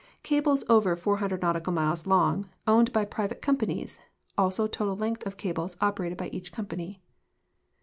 CABLES OVER FOUR HUNDRED NAUTICAL MILES LONG, OWNED BY PRIVATE COMPANIES ; ALSO TOTAL LENGTH OF CABLES OPERATED BY EACH CO.MPANY.